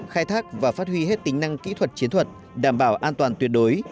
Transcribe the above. khai thác và phát huy hết tính năng kỹ thuật chiến thuật đảm bảo an toàn tuyệt đối